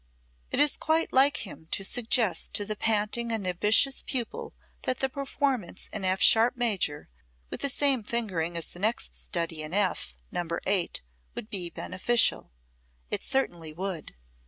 It is quite like him to suggest to the panting and ambitious pupil that the performance in F sharp major, with the same fingering as the next study in F, No. 8, would be beneficial. It certainly would.